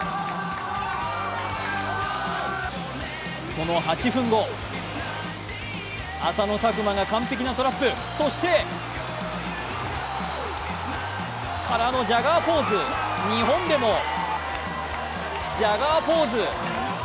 その８分後、浅野拓磨が完璧なトラップ、そしてからのジャガーポーズ、日本でもジャガーポーズ。